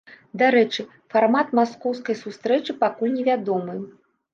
Дарэчы, фармат маскоўскай сустрэчы пакуль невядомы.